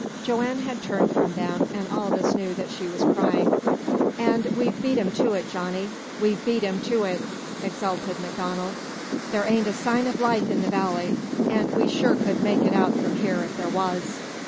Joanne had turned from them, and Aldous knew that she was crying. "An' we've beat 'em to it, Johnny we've beat 'em to it!" exulted MacDonald. "There ain't a sign of life in the valley, and we sure could make it out from here if there was!"